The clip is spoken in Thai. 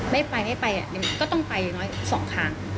ไม่ไปไม่ไปก็ต้องไปอย่างน้อย๒ครั้ง